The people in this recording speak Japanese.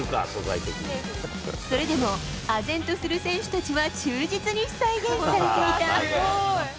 それでも、あぜんとする選手たちは忠実に再現されていた。